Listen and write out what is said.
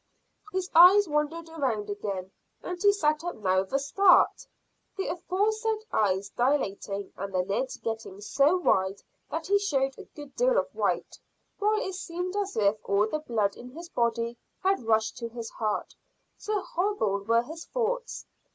His eyes wandered round again, and he sat up now with a start, the aforesaid eyes dilating and the lids getting so wide that he showed a good deal of white, while it seemed as if all the blood in his body had rushed to his heart, so horrible were his thoughts.